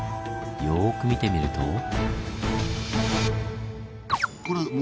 よく見てみると。